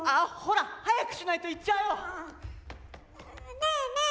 ねえねえ！